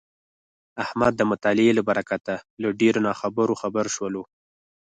احمد د مطالعې له برکته له ډېرو ناخبرو خبر شولو.